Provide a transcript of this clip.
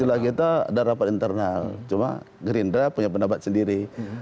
istilah kita ada rapat internal cuma gerindra punya pendapat sendiri